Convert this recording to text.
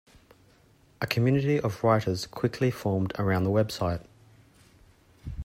A community of writers quickly formed around the website.